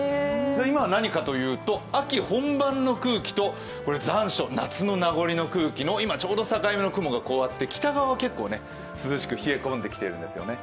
今は何かというと、秋本番の空気と残暑、夏の名残の空気の今ちょうど境目の雲がこうやって北側は結構涼しく冷え込んできているんですよね。